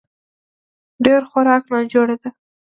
ډېر خوراک ناجوړي ده